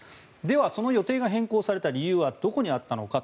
では、その予定が変更された理由はどこにあったのか。